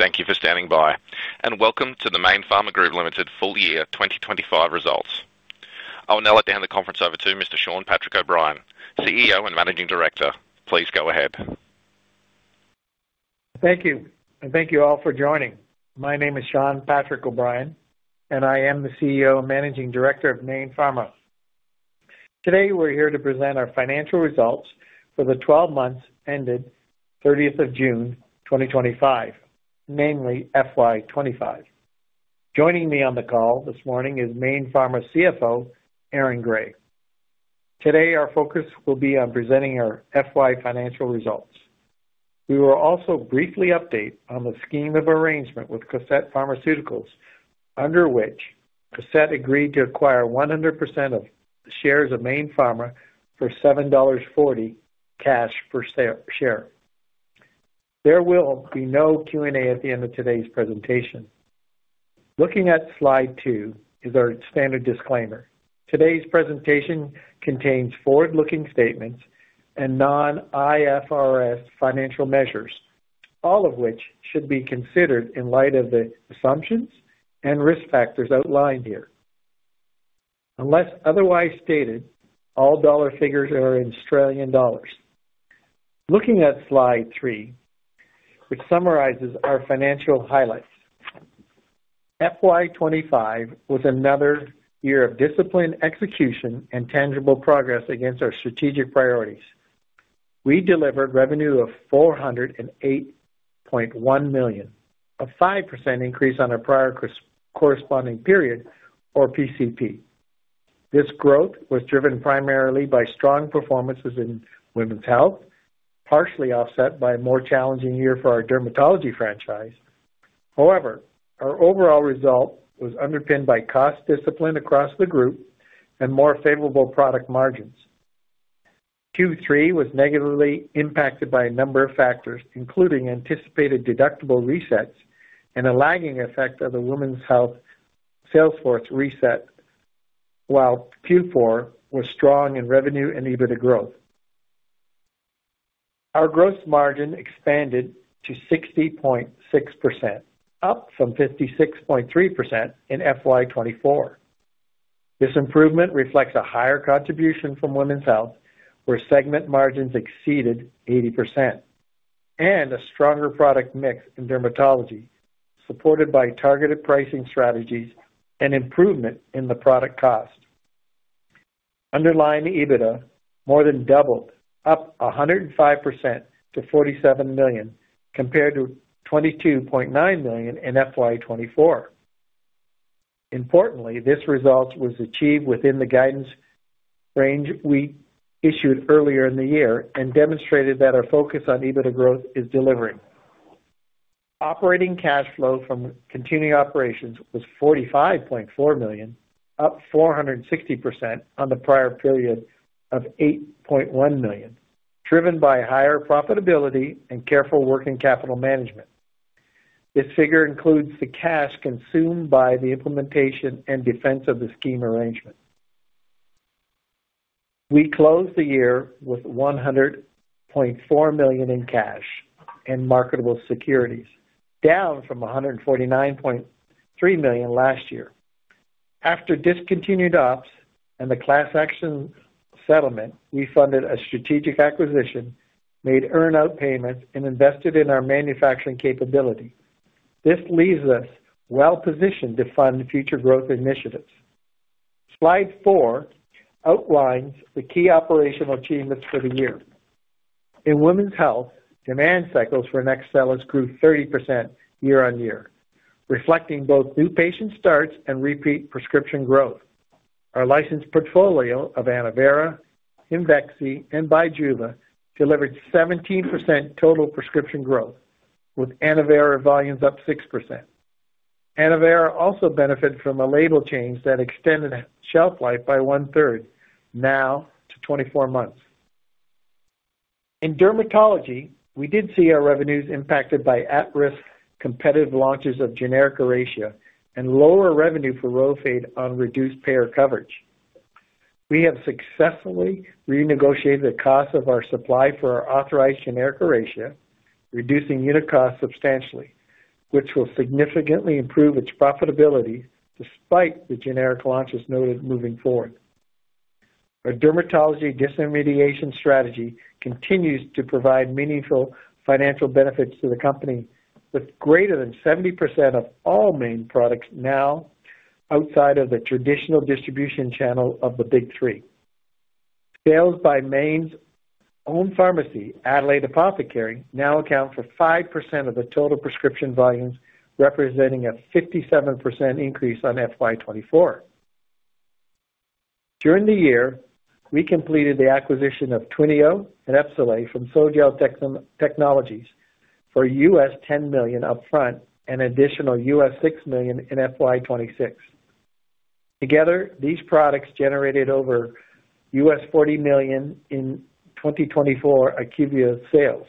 Thank you for standing by and welcome to the Mayne Pharma Group Ltd full-year 2025 results. I will now let the conference over to Mr. Shawn Patrick O’Brien, CEO and Managing Director. Please go ahead. Thank you, and thank you all for joining. My name is Shawn Patrick O’Brien, and I am the CEO and Managing Director of Mayne Pharma. Today, we're here to present our financial results for the 12 months ended 30th of June 2025, namely FY25. Joining me on the call this morning is Mayne Pharma CFO, Aaron Gray. Today, our focus will be on presenting our FY financial results. We will also briefly update on the scheme of arrangement with Cosette Pharmaceuticals, under which Cosette agreed to acquire 100% of the shares of Mayne Pharma for $7.40 cash per share. There will be no Q&A at the end of today's presentation. Looking at slide 2 is our standard disclaimer. Today's presentation contains forward-looking statements and non-IFRS financial measures, all of which should be considered in light of the assumptions and risk factors outlined here. Unless otherwise stated, all dollar figures are in Australian dollars. Looking at slide 3, which summarizes our financial highlights, FY25 was another year of disciplined execution and tangible progress against our strategic priorities. We delivered revenue of $408.1 million, a 5% increase on our prior corresponding period, or PCP. This growth was driven primarily by strong performances in women's health, partially offset by a more challenging year for our dermatology franchise. However, our overall result was underpinned by cost discipline across the group and more favorable product margins. Q3 was negatively impacted by a number of factors, including anticipated deductible resets and a lagging effect of the women's health salesforce reset, while Q4 was strong in revenue and EBITDA growth. Our gross margin expanded to 60.6%, up from 56.3% in FY24. This improvement reflects a higher contribution from women's health, where segment margins exceeded 80%, and a stronger product mix in dermatology, supported by targeted pricing strategies and improvement in the product cost. Underlying EBITDA more than doubled, up 105% to $47 million, compared to $22.9 million in FY24. Importantly, this result was achieved within the guidance range we issued earlier in the year and demonstrated that our focus on EBITDA growth is delivering. Operating cash flow from continuing operations was $45.4 million, up 460% on the prior period of $8.1 million, driven by higher profitability and careful working capital management. This figure includes the cash consumed by the implementation and defense of the scheme arrangement. We closed the year with $100.4 million in cash and marketable securities, down from $149.3 million last year. After discontinued ops and the class action settlement, we funded a strategic acquisition, made earnout payments, and invested in our manufacturing capability. This leaves us well positioned to fund future growth initiatives. Slide 4 outlines the key operational achievements for the year. In women's health, demand cycles for NEXTSTELLIS grew 30% year on year, reflecting both new patient starts and repeat prescription growth. Our licensed portfolio of ANNOVERA, IMVEXXY, and BIJUVA delivered 17% total prescription growth, with ANNOVERA volumes up 6%. ANNOVERA also benefited from a label change that extended shelf life by one third, now to 24 months. In dermatology, we did see our revenues impacted by at-risk competitive launches of generic Oracea and lower revenue for RHOFADE on reduced payer coverage. We have successfully renegotiated the cost of our supply for our authorized generic Oracea, reducing unit costs substantially, which will significantly improve its profitability despite the generic launches noted moving forward. Our dermatology disintermediation strategy continues to provide meaningful financial benefits to the company, with greater than 70% of all Mayne Pharma products now outside of the traditional distribution channel of the Big Three. Sales by Mayne Pharma's own pharmacy, Adelaide Apothecary, now account for 5% of the total prescription volumes, representing a 57% increase on FY24. During the year, we completed the acquisition of Twinio and Epsolay from Sol-Gel Technologies for $10 million upfront and an additional $6 million in FY26. Together, these products generated over $40 million in 2024 IQVIA sales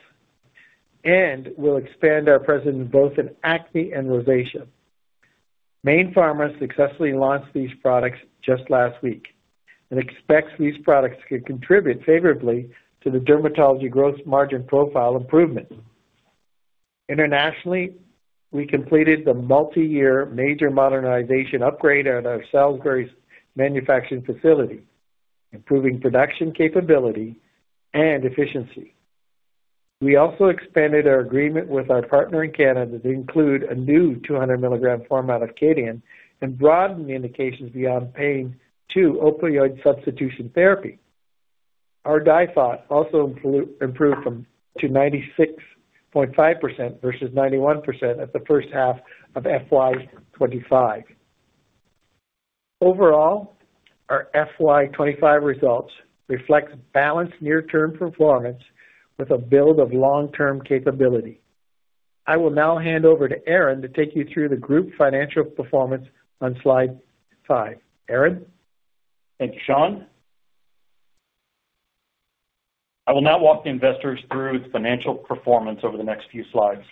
and will expand our presence both in acne and rosacea. Mayne Pharma successfully launched these products just last week and expects these products to contribute favorably to the dermatology gross margin profile improvements. Internationally, we completed the multi-year major modernization upgrade at our Salisbury manufacturing facility, improving production capability and efficiency. We also expanded our agreement with our partner in Canada to include a new 200 milligram format of KADIAN and broaden the indications beyond pain to opioid substitution therapy. Our DIFOT also improved to 96.5% versus 91% at the first half of FY25. Overall, our FY25 results reflect balanced near-term performance with a build of long-term capability. I will now hand over to Aaron to take you through the group financial performance on slide 5. Aaron? Thanks, Shawn. I will now walk the investors through its financial performance over the next few slides.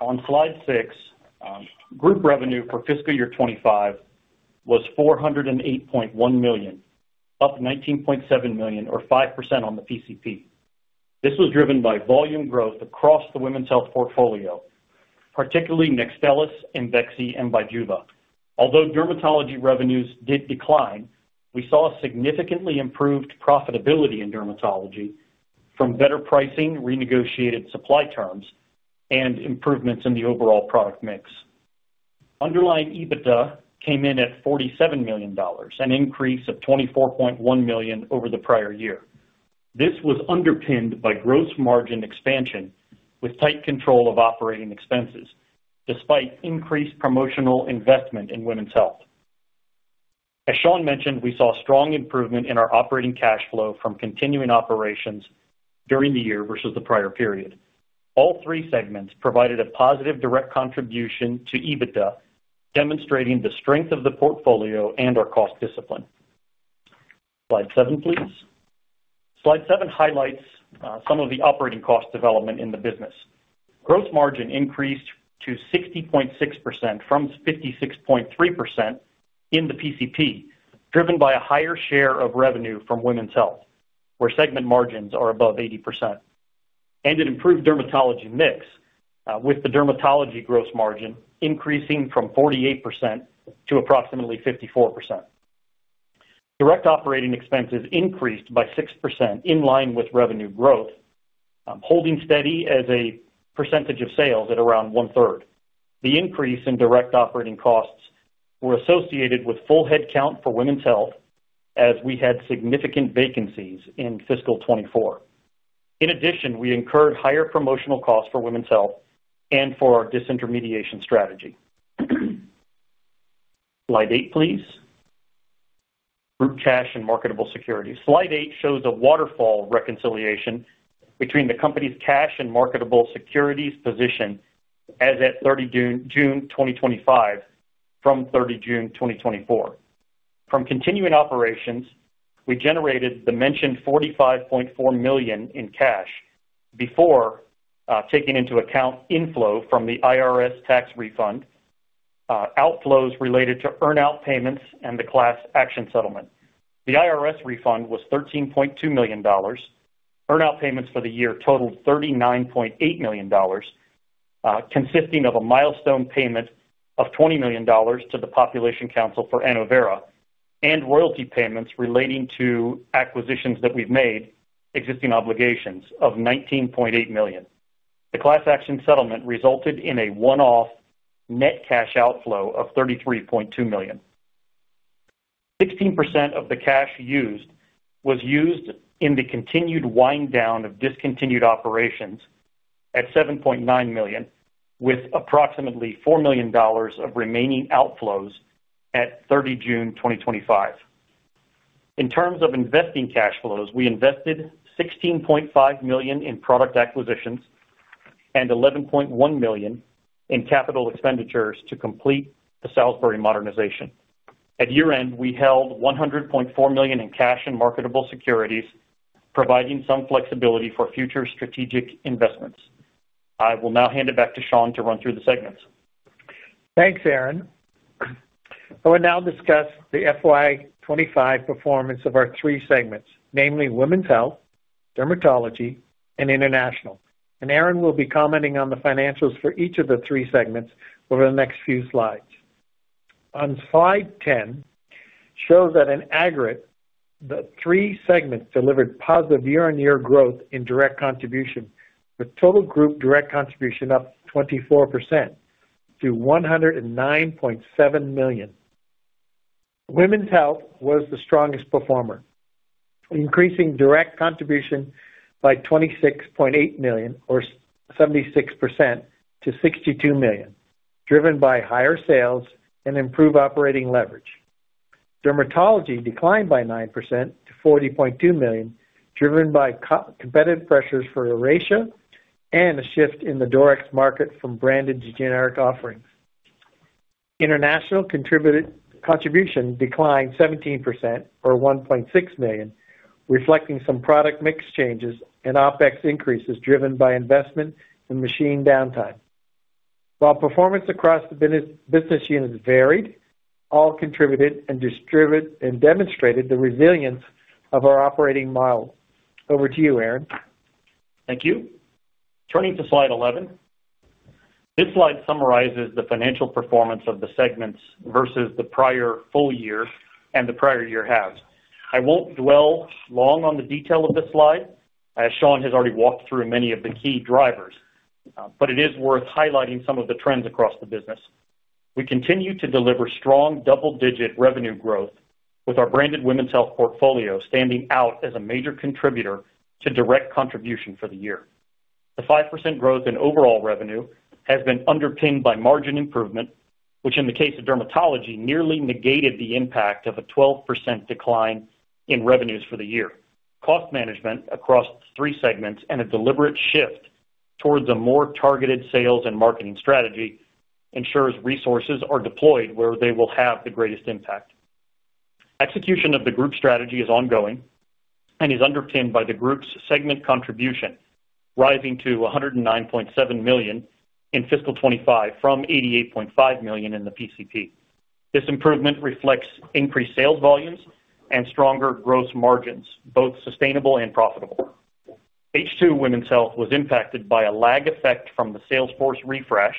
On slide 6, group revenue for fiscal year 2025 was $408.1 million, up $19.7 million, or 5% on the PCP. This was driven by volume growth across the women's health portfolio, particularly NEXTSTELLIS, IMVEXXY, and BIJUVA. Although dermatology revenues did decline, we saw significantly improved profitability in dermatology from better pricing, renegotiated supply terms, and improvements in the overall product mix. Underlying EBITDA came in at $47 million, an increase of $24.1 million over the prior year. This was underpinned by gross margin expansion with tight control of operating expenses, despite increased promotional investment in women's health. As Shawn mentioned, we saw strong improvement in our operating cash flow from continuing operations during the year versus the prior period. All three segments provided a positive direct contribution to EBITDA, demonstrating the strength of the portfolio and our cost discipline. Slide 7, please. Slide 7 highlights some of the operating cost development in the business. Gross margin increased to 60.6% from 56.3% in the PCP, driven by a higher share of revenue from women's health, where segment margins are above 80%, and an improved dermatology mix with the dermatology gross margin increasing from 48% to approximately 54%. Direct operating expenses increased by 6% in line with revenue growth, holding steady as a percentage of sales at around one third. The increase in direct operating costs was associated with full headcount for women's health, as we had significant vacancies in fiscal 2024. In addition, we incurred higher promotional costs for women's health and for our disintermediation strategy. Slide 8, please. Group cash and marketable securities. Slide 8 shows a waterfall reconciliation between the company's cash and marketable securities position as at 30 June 2025 from 30 June 2024. From continuing operations, we generated the mentioned $45.4 million in cash before taking into account inflow from the IRS tax refund, outflows related to earnout payments, and the class action settlement. The IRS refund was $13.2 million. Earnout payments for the year totaled $39.8 million, consisting of a milestone payment of $20 million to the Population Council for ANNOVERA, and royalty payments relating to acquisitions that we've made, existing obligations of $19.8 million. The class action settlement resulted in a one-off net cash outflow of $33.2 million. 16% of the cash used was used in the continued wind down of discontinued operations at $7.9 million, with approximately $4 million of remaining outflows at 30 June 2025. In terms of investing cash flows, we invested $16.5 million in product acquisitions and $11.1 million in capital expenditures to complete the Salisbury modernization. At year end, we held $100.4 million in cash and marketable securities, providing some flexibility for future strategic investments. I will now hand it back to Shawn to run through the segments. Thanks, Aaron. I will now discuss the FY25 performance of our three segments, namely women's health, dermatology, and international. Aaron will be commenting on the financials for each of the three segments over the next few slides. On slide 10, it shows that in aggregate, the three segments delivered positive year-on-year growth in direct contribution, with total group direct contribution up 24% to $109.7 million. Women's health was the strongest performer, increasing direct contribution by $26.8 million, or 76% to $62 million, driven by higher sales and improved operating leverage. Dermatology declined by 9% to $40.2 million, driven by competitive pressures for Oracea and a shift in the Durex market from branded to generic offerings. International contribution declined 17%, or $1.6 million, reflecting some product mix changes and OpEx increases driven by investment and machine downtime. While performance across the business units varied, all contributed and demonstrated the resilience of our operating model. Over to you, Aaron. Thank you. Turning to slide 11, this slide summarizes the financial performance of the segments versus the prior full years and the prior year halves. I won't dwell long on the detail of this slide, as Shawn has already walked through many of the key drivers, but it is worth highlighting some of the trends across the business. We continue to deliver strong double-digit revenue growth, with our branded women's health portfolio standing out as a major contributor to direct contribution for the year. The 5% growth in overall revenue has been underpinned by margin improvement, which in the case of dermatology nearly negated the impact of a 12% decline in revenues for the year. Cost management across the three segments and a deliberate shift towards a more targeted sales and marketing strategy ensures resources are deployed where they will have the greatest impact. Execution of the group strategy is ongoing and is underpinned by the group's segment contribution rising to $109.7 million in fiscal 2025 from $88.5 million in the prior corresponding period. This improvement reflects increased sales volumes and stronger gross margins, both sustainable and profitable. H2 women's health was impacted by a lag effect from the salesforce refresh,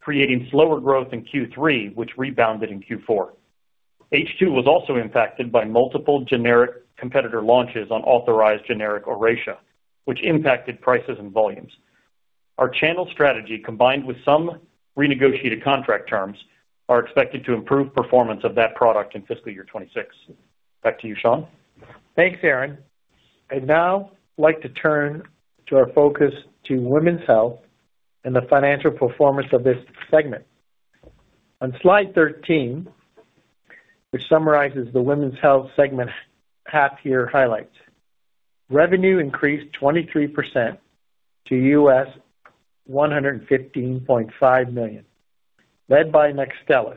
creating slower growth in Q3, which rebounded in Q4. H2 was also impacted by multiple generic competitor launches on authorized generic Oracea, which impacted prices and volumes. Our channel strategy, combined with some renegotiated contract terms, are expected to improve performance of that product in fiscal year 2026. Back to you, Shawn. Thanks, Aaron. I'd now like to turn our focus to women's health and the financial performance of this segment. On slide 13, which summarizes the women's health segment half-year highlights, revenue increased 23% to $115.5 million, led by NEXTSTELLIS,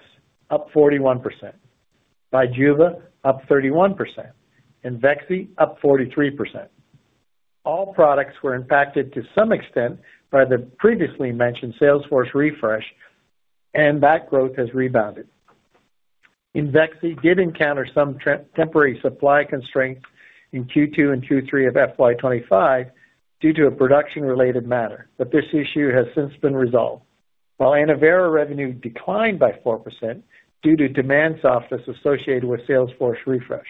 up 41%, BIJUVA up 31%, and IMVEXXY up 43%. All products were impacted to some extent by the previously mentioned salesforce refresh, and that growth has rebounded. IMVEXXY did encounter some temporary supply constraints in Q2 and Q3 of FY25 due to a production-related matter, but this issue has since been resolved. While ANNOVERA revenue declined by 4% due to demand softness associated with salesforce refresh,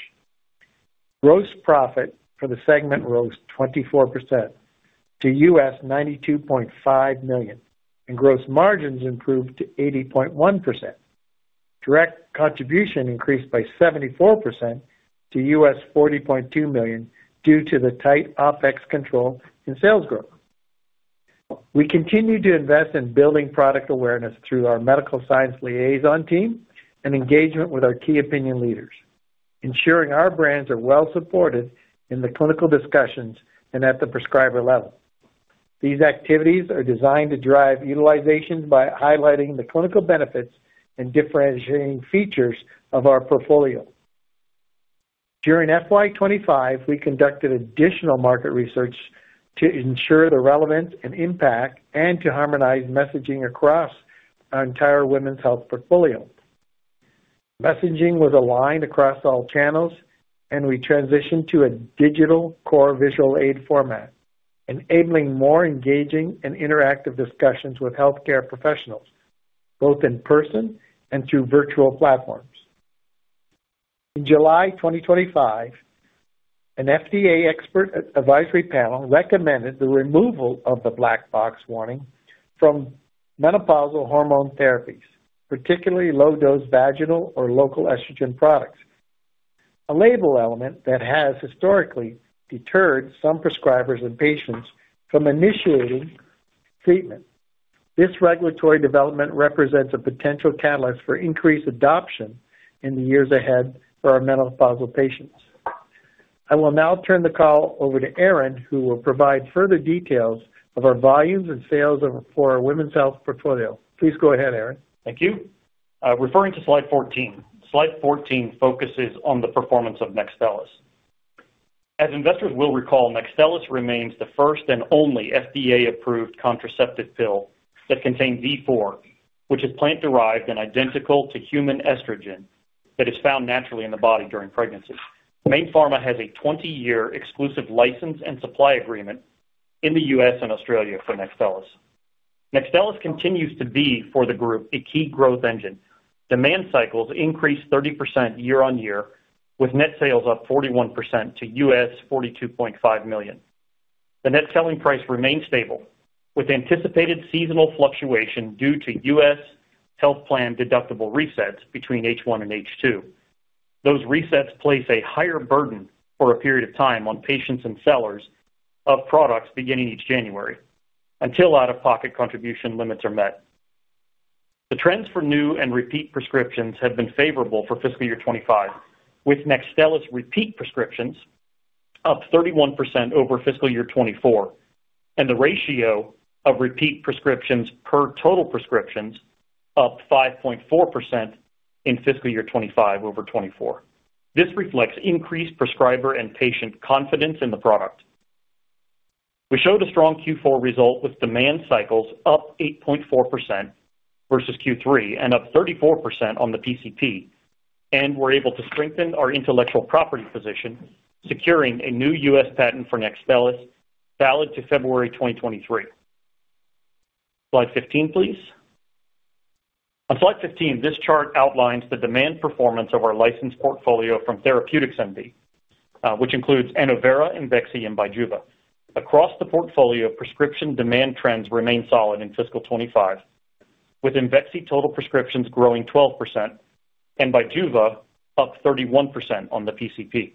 gross profit for the segment rose 24% to $92.5 million, and gross margins improved to 80.1%. Direct contribution increased by 74% to $40.2 million due to the tight OPEX control and sales growth. We continue to invest in building product awareness through our Medical Science Liaison team and engagement with our key opinion leaders, ensuring our brands are well supported in the clinical discussions and at the prescriber level. These activities are designed to drive utilization by highlighting the clinical benefits and differentiating features of our portfolio. During FY25, we conducted additional market research to ensure the relevance and impact and to harmonize messaging across our entire women's health portfolio. Messaging was aligned across all channels, and we transitioned to a digital core visual aid format, enabling more engaging and interactive discussions with healthcare professionals, both in person and through virtual platforms. In July 2025, an FDA expert advisory panel recommended the removal of the black box warning from menopausal hormone therapies, particularly low-dose vaginal or local estrogen products, a label element that has historically deterred some prescribers and patients from initiating treatment. This regulatory development represents a potential catalyst for increased adoption in the years ahead for our menopausal patients. I will now turn the call over to Aaron, who will provide further details of our volumes and sales for our women's health portfolio. Please go ahead, Aaron. Thank you. Referring to slide 14, slide 14 focuses on the performance of NEXTSTELLIS. As investors will recall, NEXTSTELLIS remains the first and only FDA-approved contraceptive pill that contains E4, which is plant-derived and identical to human estrogen that is found naturally in the body during pregnancies. Mayne Pharma has a 20-year exclusive license and supply agreement in the U.S. and Australia for NEXTSTELLIS. NEXTSTELLIS continues to be, for the group, a key growth engine. Demand cycles increased 30% year on year, with net sales up 41% to $42.5 million. The net selling price remains stable, with anticipated seasonal fluctuation due to U.S. health plan deductible resets between H1 and H2. Those resets place a higher burden for a period of time on patients and sellers of products beginning each January until out-of-pocket contribution limits are met. The trends for new and repeat prescriptions have been favorable for fiscal year 2025, with NEXTSTELLIS repeat prescriptions up 31% over fiscal year 2024, and the ratio of repeat prescriptions per total prescriptions up 5.4% in fiscal year 2025 over 2024. This reflects increased prescriber and patient confidence in the product. We showed a strong Q4 result with demand cycles up 8.4% versus Q3 and up 34% on the PCP, and we were able to strengthen our intellectual property position, securing a new U.S. patent for NEXTSTELLIS valid to February 2023. Slide 15, please. On slide 15, this chart outlines the demand performance of our licensed portfolio from TherapeuticsMD, which includes ANNOVERA, IMVEXXY, and BIJUVA. Across the portfolio, prescription demand trends remain solid in fiscal 2025, with IMVEXXY total prescriptions growing 12% and BIJUVA up 31% on the PCP.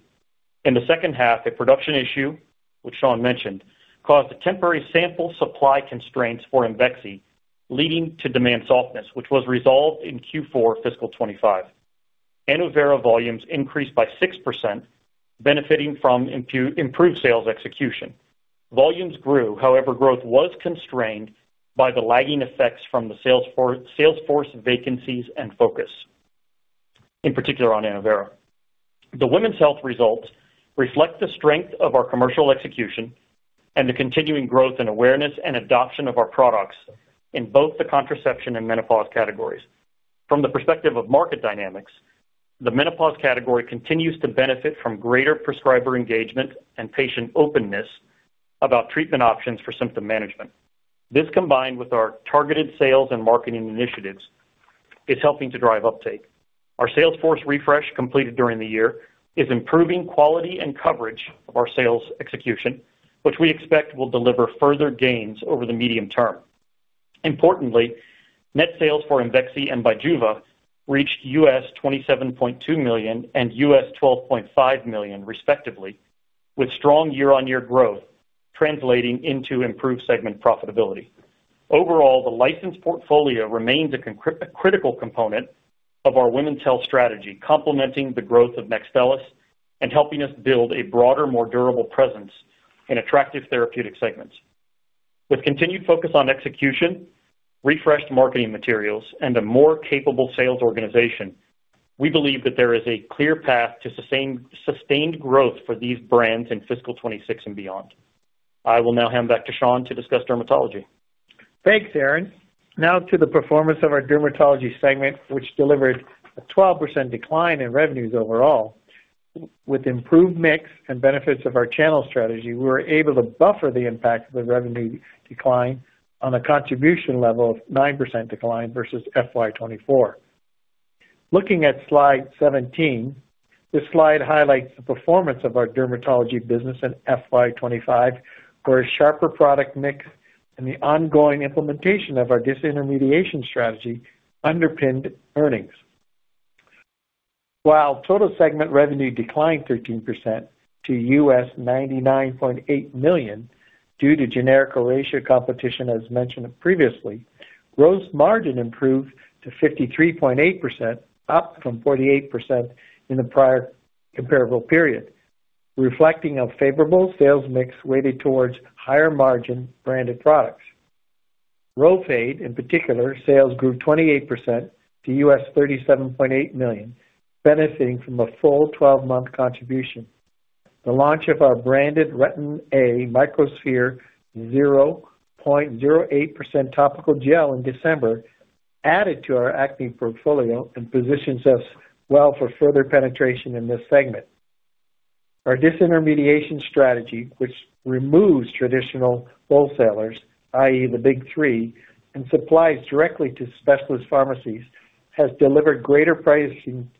In the second half, a production issue, which Shawn Patrick O’Brien mentioned, caused a temporary sample supply constraint for IMVEXXY, leading to demand softness, which was resolved in Q4 fiscal 2025. ANNOVERA volumes increased by 6%, benefiting from improved sales execution. Volumes grew, however, growth was constrained by the lagging effects from the salesforce vacancies and focus, in particular on ANNOVERA. The women’s health results reflect the strength of our commercial execution and the continuing growth in awareness and adoption of our products in both the contraception and menopause categories. From the perspective of market dynamics, the menopause category continues to benefit from greater prescriber engagement and patient openness about treatment options for symptom management. This, combined with our targeted sales and marketing initiatives, is helping to drive uptake. Our salesforce refresh completed during the year is improving quality and coverage of our sales execution, which we expect will deliver further gains over the medium term. Importantly, net sales for IMVEXXY and BIJUVA reached $27.2 million and $12.5 million, respectively, with strong year-on-year growth translating into improved segment profitability. Overall, the licensed portfolio remains a critical component of our women's health strategy, complementing the growth of NEXTSTELLIS and helping us build a broader, more durable presence in attractive therapeutic segments. With continued focus on execution, refreshed marketing materials, and a more capable sales organization, we believe that there is a clear path to sustained growth for these brands in fiscal 2026 and beyond. I will now hand back to Shawn to discuss dermatology. Thanks, Aaron. Now to the performance of our dermatology segment, which delivered a 12% decline in revenues overall. With improved mix and benefits of our channel strategy, we were able to buffer the impact of the revenue decline on a contribution level of 9% decline versus FY24. Looking at slide 17, this slide highlights the performance of our dermatology business in FY25, where a sharper product mix and the ongoing implementation of our disintermediation strategy underpinned earnings. While total segment revenue declined 13% to $99.8 million due to generic Oracea competition, as mentioned previously, gross margin improved to 53.8%, up from 48% in the prior comparable period, reflecting a favorable sales mix weighted towards higher margin branded products. RHOFADE, in particular, sales grew 28% to $37.8 million, benefiting from a full 12-month contribution. The launch of our branded Retin-A Microsphere 0.08% topical gel in December added to our acne portfolio and positions us well for further penetration in this segment. Our disintermediation strategy, which removes traditional wholesalers, i.e., the Big Three, and supplies directly to specialist pharmacies, has delivered greater pricing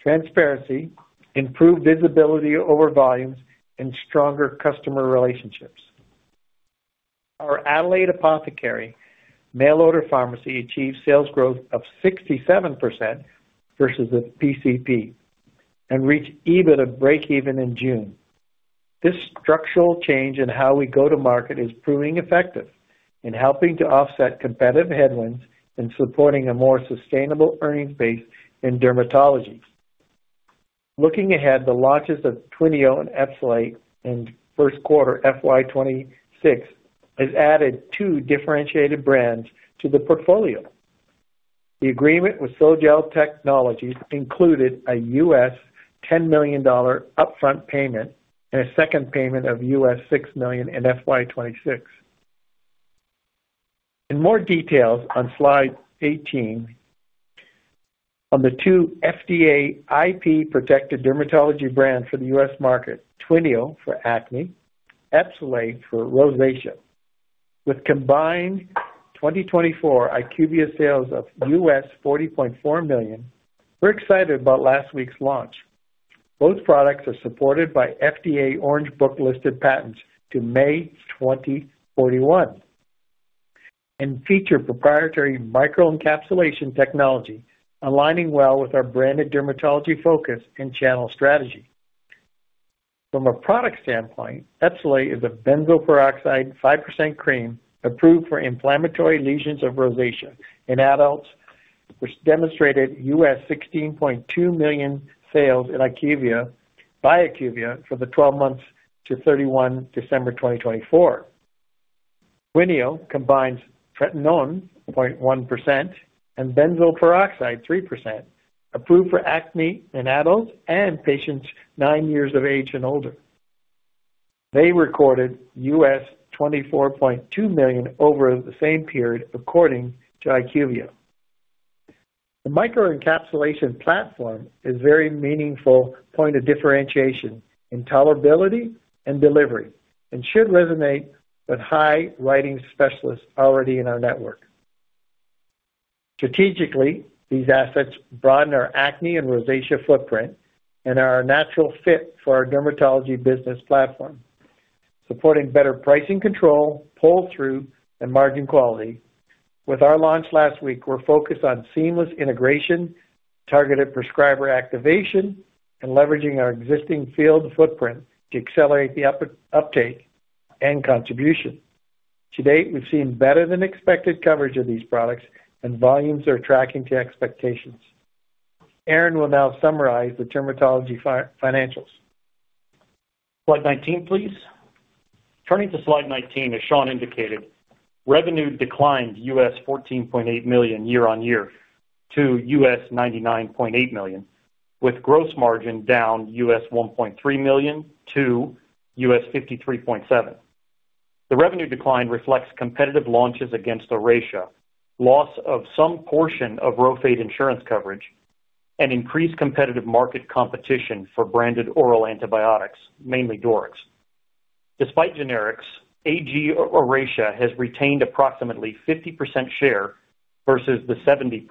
transparency, improved visibility over volumes, and stronger customer relationships. Our Adelaide Apothecary mail-order pharmacy achieved sales growth of 67% versus the PCP and reached EBITDA break-even in June. This structural change in how we go to market is proving effective in helping to offset competitive headwinds and supporting a more sustainable earnings base in dermatology. Looking ahead, the launches of Twinio and Epsolay in first quarter FY26 have added two differentiated brands to the portfolio. The agreement with Sol-Gel Technologies included a $10 million upfront payment and a second payment of $6 million in FY26. In more details on slide 18, on the two FDA IP-protected dermatology brands for the U.S. market, Twinio for acne, Epsolay for rosacea, with combined 2024 IQVIA sales of $40.4 million, we're excited about last week's launch. Both products are supported by FDA Orange Book listed patents to May 2041 and feature proprietary microencapsulation technology, aligning well with our branded dermatology focus and channel strategy. From a product standpoint, Epsolay is a benzoyl peroxide 5% cream approved for inflammatory lesions of rosacea in adults, which demonstrated $16.2 million sales in by IQVIA for the 12 months to 31 December 2024. Twinio combines tretinoin 0.1% and benzoyl peroxide 3%, approved for acne in adults and patients nine years of age and older. They recorded $24.2 million over the same period, according to IQVIA. The microencapsulation platform is a very meaningful point of differentiation in tolerability and delivery and should resonate with high-riding specialists already in our network. Strategically, these assets broaden our acne and rosacea footprint and are a natural fit for our dermatology business platform, supporting better pricing control, pull-through, and margin quality. With our launch last week, we're focused on seamless integration, targeted prescriber activation, and leveraging our existing field footprint to accelerate the uptake and contribution. To date, we've seen better-than-expected coverage of these products, and volumes are tracking to expectations. Aaron will now summarize the dermatology financials. Slide 19, please. Turning to slide 19, as Shawn indicated, revenue declined $14.8 million year on year to $99.8 million, with gross margin down $1.3 million to $53.7 million. The revenue decline reflects competitive launches against Oracea, loss of some portion of RHOFADE insurance coverage, and increased competitive market competition for branded oral antibiotics, mainly Durex. Despite generics, AG Oracea has retained approximately 50% share versus the 70%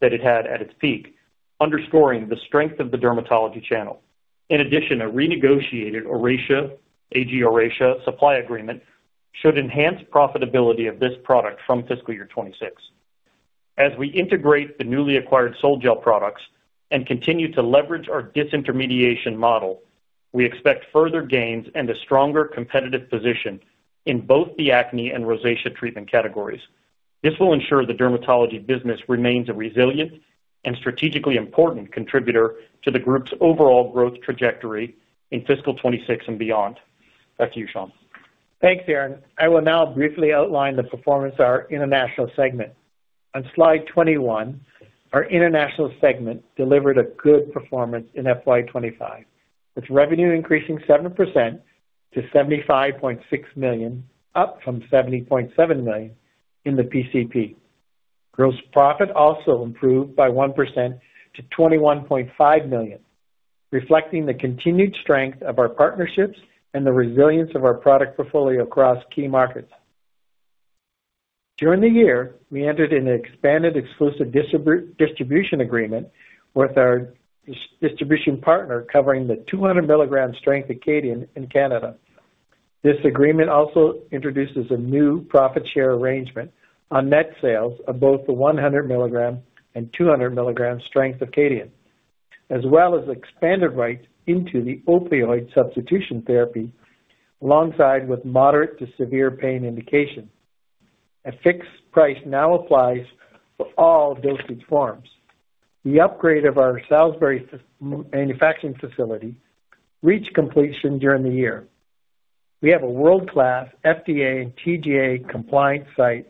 that it had at its peak, underscoring the strength of the dermatology channel. In addition, a renegotiated AG Oracea supply agreement should enhance profitability of this product from fiscal year 2026. As we integrate the newly acquired Twinio products and continue to leverage our disintermediation strategy, we expect further gains and a stronger competitive position in both the acne and rosacea treatment categories. This will ensure the dermatology business remains a resilient and strategically important contributor to the group's overall growth trajectory in fiscal 2026 and beyond. Back to you, Shawn. Thanks, Aaron. I will now briefly outline the performance of our international segment. On slide 21, our international segment delivered a good performance in FY25, with revenue increasing 7% to $75.6 million, up from $70.7 million in the PCP. Gross profit also improved by 1% to $21.5 million, reflecting the continued strength of our partnerships and the resilience of our product portfolio across key markets. During the year, we entered an expanded exclusive distribution agreement with our distribution partner covering the 200 milligram strength of KADIAN in Canada. This agreement also introduces a new profit share arrangement on net sales of both the 100 milligram and 200 milligram strength of KADIAN, as well as expanded rights into the opioid substitution therapy alongside with moderate to severe pain indication. A fixed price now applies for all dosage forms. The upgrade of our Salisbury manufacturing facility reached completion during the year. We have a world-class FDA and TGA compliance site,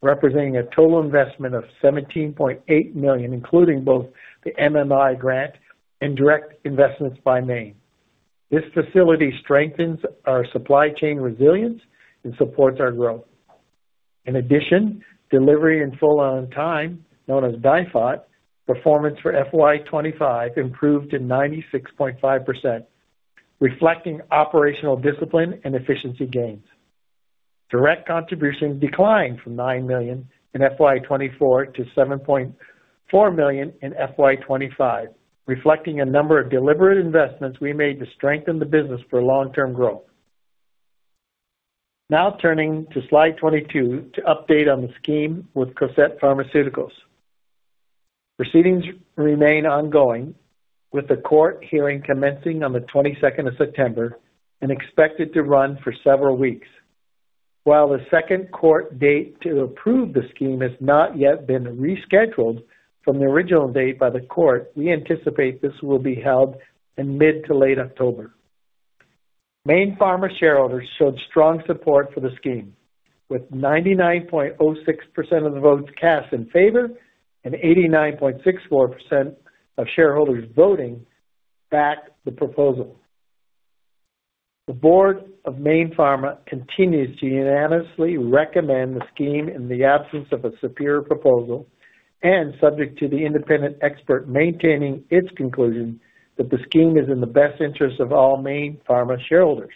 representing a total investment of $17.8 million, including both the MMI grant and direct investments by Mayne Pharma. This facility strengthens our supply chain resilience and supports our growth. In addition, delivery in full on time, known as DIFOT, performance for FY25 improved to 96.5%, reflecting operational discipline and efficiency gains. Direct contributions declined from $9 million in FY24 to $7.4 million in FY25, reflecting a number of deliberate investments we made to strengthen the business for long-term growth. Now turning to slide 22 to update on the scheme with Cosette Pharmaceuticals. Proceedings remain ongoing, with the court hearing commencing on the 22nd of September and expected to run for several weeks. While the second court date to approve the scheme has not yet been rescheduled from the original date by the court, we anticipate this will be held in mid to late October. Mayne Pharma shareholders showed strong support for the scheme, with 99.06% of the vote cast in favor and 89.64% of shareholders voting to back the proposal. The board of Mayne Pharma continues to unanimously recommend the scheme in the absence of a superior proposal and subject to the independent expert maintaining its conclusion that the scheme is in the best interests of all Mayne Pharma shareholders.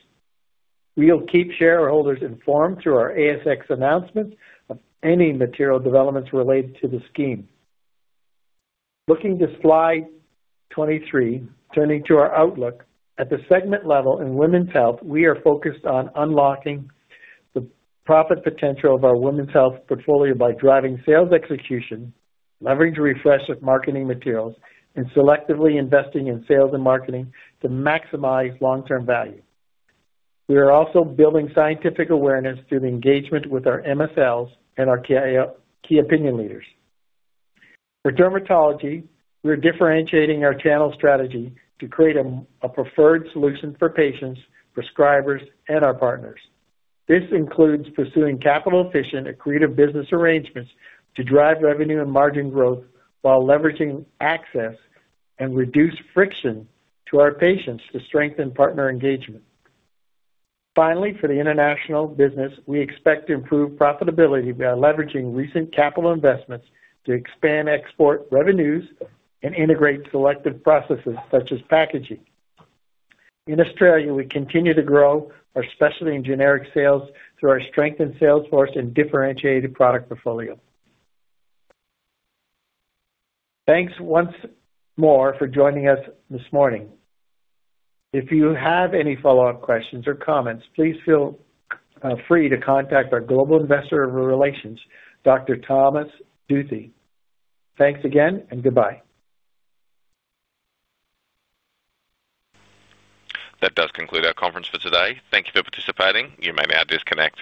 We will keep shareholders informed through our ASX announcements of any material developments related to the scheme. Looking to slide 23, turning to our outlook at the segment level in women's health, we are focused on unlocking the profit potential of our women's health portfolio by driving sales execution, leveraging refresh of marketing materials, and selectively investing in sales and marketing to maximize long-term value. We are also building scientific awareness through the engagement with our MFLs and our key opinion leaders. For dermatology, we are differentiating our channel strategy to create a preferred solution for patients, prescribers, and our partners. This includes pursuing capital efficient and creative business arrangements to drive revenue and margin growth while leveraging access and reduced friction to our patients to strengthen partner engagement. Finally, for the international business, we expect improved profitability by leveraging recent capital investments to expand export revenues and integrate selective processes such as packaging. In Australia, we continue to grow, especially in generic sales, through our strengthened salesforce and differentiated product portfolio. Thanks once more for joining us this morning. If you have any follow-up questions or comments, please feel free to contact our Global Investor Relations, Dr. Tom Duthy. Thanks again and goodbye. That does conclude our conference for today. Thank you for participating. You may now disconnect.